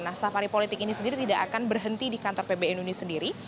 nah safari politik ini sendiri tidak akan berhenti di kantor pbnu ini sendiri